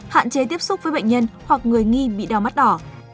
hạn chế tiếp xúc với bệnh nhân hoặc người nghi bị đau mắt đỏ